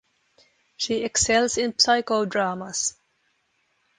She excels in psychodramas.